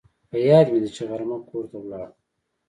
په یاد مې دي چې غرمه کور ته ولاړم